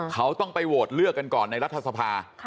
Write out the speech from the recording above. เขาต้องไปโหวตเลือกกันก่อนในรัฐสภา